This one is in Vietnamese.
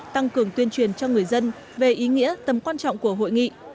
tăng cường tuyên truyền cho người dân về ý nghĩa tầm quan trọng của hội nghị